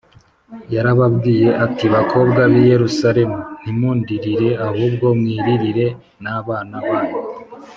yarababwiye ati, “bakobwa b’i yerusalemu, ntimundirire, ahubwo mwiririre n’abana banyu